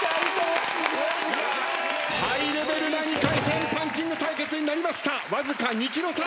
ハイレベルな２回戦パンチング対決になりました。